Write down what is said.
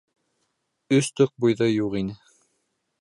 Өс тоҡ бойҙай юҡ ине.